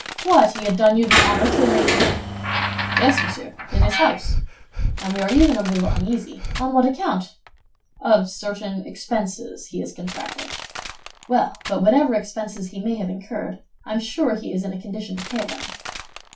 "What, he had done you the honor to remain here?" "Yes, monsieur, in this house; and we are even a little uneasy—" "On what account?" "Of certain expenses he has contracted." "Well, but whatever expenses he may have incurred, I am sure he is in a condition to pay them."